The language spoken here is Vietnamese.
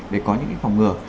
để có những phòng ngừa